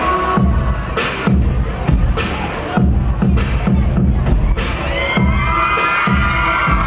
ไม่ต้องถามไม่ต้องถาม